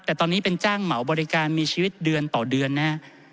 แต่ตอนนี้เป็นจ้างเหมาบริการมีชีวิตเดือนต่อเดือนนะฮะ